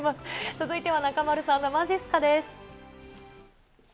続いては中丸さんのまじっすかです。